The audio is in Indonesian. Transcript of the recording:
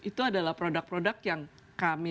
itu adalah produk produk yang kami